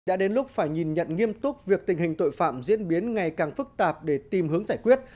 đã đến lúc phải nhìn nhận nghiêm túc việc tình hình tội phạm diễn biến ngày càng phức tạp để tìm hướng giải quyết